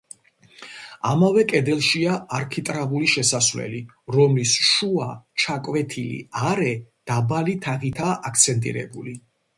ამავე კედელშია არქიტრავული შესასვლელი, რომლის შუა, ჩაკვეთილი არე დაბალი თაღითაა აქცენტირებული.